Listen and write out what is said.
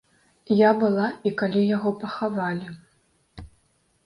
Я была і калі яго пахавалі.